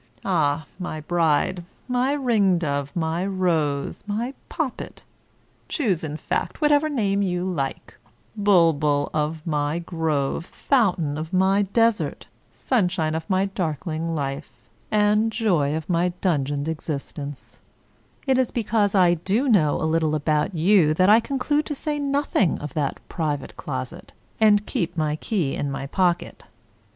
— ^Ah, my bride, my ringdove, my rose, my poppet — choose, in fact, whatever name you like — ^bulbul of my grove, fountain of my desert, sunshine of my dark ling life, and joy of my dungeoned existence, it is because I do know a little about you that I conclude to say nothing of that private closet, and keep my key in my pocket.